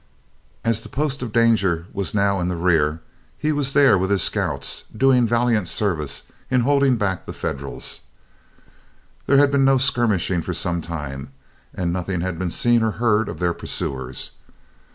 As the post of danger was now in the rear, he was there with his scouts doing valiant service in holding back the Federals. There had been no skirmishing for some time, and nothing had been seen or heard of their pursuers.